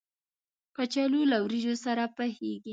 کچالو له وریجو سره پخېږي